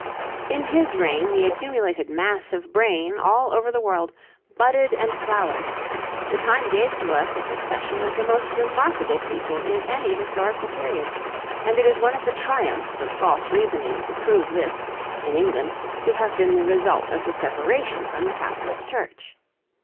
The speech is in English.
In his reign the accumulated mass of brain all over the world budded and flowered; the time gave to us a succession of the most remarkable people in any historical period, and it is one of the triumphs of false reasoning to prove this, in England, to have been the result of the separation from the Catholic Church.